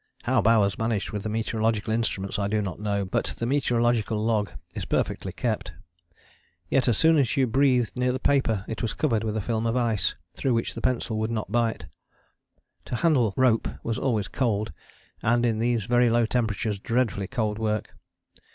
How Bowers managed with the meteorological instruments I do not know, but the meteorological log is perfectly kept. Yet as soon as you breathed near the paper it was covered with a film of ice through which the pencil would not bite. To handle rope was always cold and in these very low temperatures dreadfully cold work.